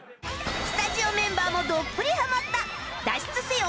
スタジオメンバーもどっぷりハマった「脱出せよ！